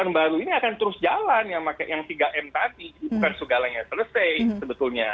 kebiasaan baru ini akan terus jalan yang tiga m tadi bukan segalanya selesai sebetulnya